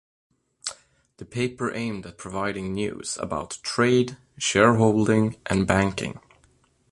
The paper aimed at providing news about trade, share holding and banking.